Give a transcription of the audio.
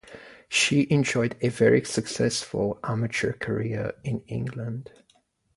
She enjoyed a very successful amateur career in England.